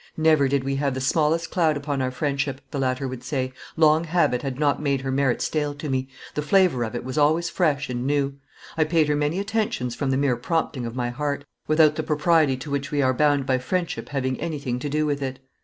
"Never did we have the smallest cloud upon our friendship," the latter would say; "long habit had not made her merit stale to me, the flavor of it was always fresh and new; I paid her many attentions from the mere prompting of my heart, without the propriety to which we are bound by friendship having anything to do with it.